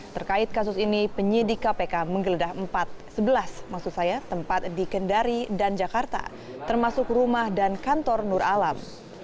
terkait kasus ini penyidik kpk menggeledah empat sebelas maksud saya tempat di kendari dan jakarta termasuk rumah dan kantor nur alam